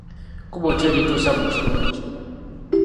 Kkubo ki erituusa mu kitundu kino?